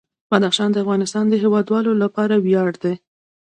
بدخشان د افغانستان د هیوادوالو لپاره ویاړ دی.